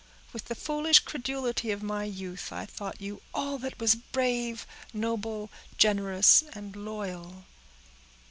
With the foolish credulity of my youth, I thought you all that was brave, noble, generous, and loyal."